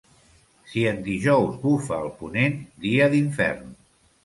Si en dijous bufa el ponent, dia d'infern.